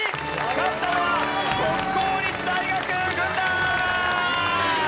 勝ったのは国公立大学軍団！